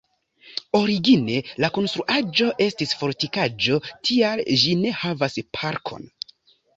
Origine la konstruaĵo estis fortikaĵo, tial ĝi ne havas parkon.